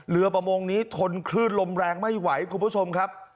ประมงนี้ทนคลื่นลมแรงไม่ไหวคุณผู้ชมครับ